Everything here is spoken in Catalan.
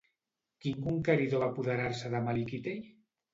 Quin conqueridor va apoderar-se de Mali Kítej?